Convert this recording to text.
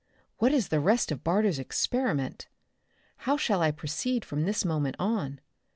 What is the rest of Barter's experiment? How shall I proceed from this moment on?